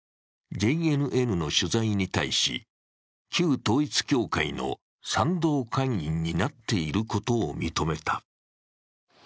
ＪＮＮの取材に対し、旧統一教会の賛同会員になっていることを認めた。